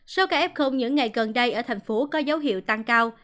sau ca ép không những ngày gần đây ở thành phố có dấu hiệu tăng cao